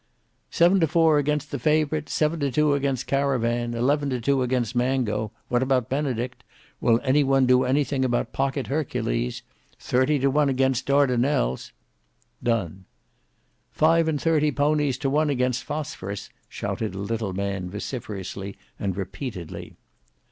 "Seven to four against the favourite; seven to two against Caravan; eleven to two against Mango. What about Benedict? Will any one do anything about Pocket Hercules? Thirty to one against Dardanelles." "Done." "Five and thirty ponies to one against Phosphorus," shouted a little man vociferously and repeatedly.